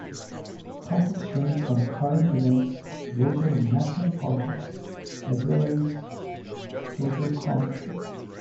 Topics range from current events, local and national politics, as well as social commentary.